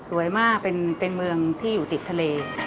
มากเป็นเมืองที่อยู่ติดทะเล